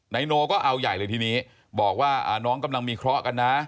นายโนก็เอาใหญ่เลยทีนี้บอกว่าน้องกำลังมีเคราะห์กันนะ